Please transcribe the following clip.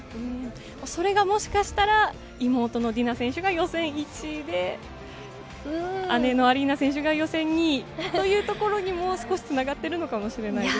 それがもしかしたら妹のディナ選手が予選１位で、姉のアリーナ選手が予選２位というところにもつながってるのかもしれないですね。